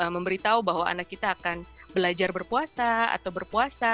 memberitahu bahwa anak kita akan belajar berpuasa atau berpuasa